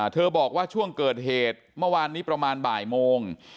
บอกว่าช่วงเกิดเหตุเมื่อวานนี้ประมาณบ่ายโมง